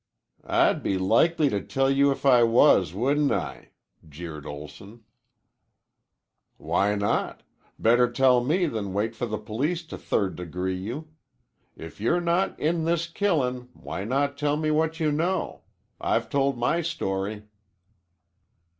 "I'd be likely to tell you if I was, wouldn't I?" jeered Olson. "Why not? Better tell me than wait for the police to third degree you. If you're not in this killin' why not tell what you know? I've told my story."